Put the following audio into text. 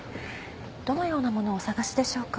どのようなものをお探しでしょうか。